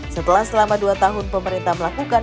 setelah selama dua tahun pemerintah melakukan